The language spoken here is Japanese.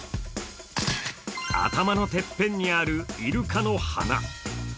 頭のてっぺんにあるイルカの鼻。